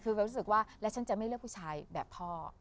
คือแบบรู้สึกว่าแล้วฉันจะไม่เลือกผู้ชายแบบพ่อ